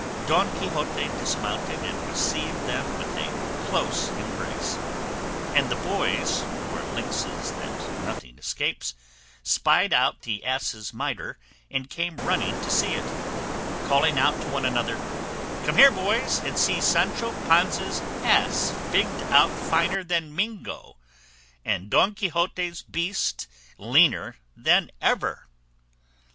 Don Quixote dismounted and received them with a close embrace; and the boys, who are lynxes that nothing escapes, spied out the ass's mitre and came running to see it, calling out to one another, "Come here, boys, and see Sancho Panza's ass figged out finer than Mingo, and Don Quixote's beast leaner than ever."